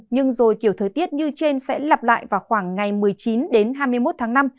nhưng rồi kiểu thời tiết như trên sẽ lặp lại vào khoảng ngày một mươi chín hai mươi một tháng năm